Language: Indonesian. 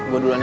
gue duluan ya